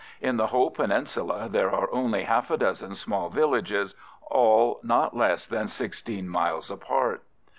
In the whole peninsula there are only half a dozen small villages, all not less than sixteen miles apart.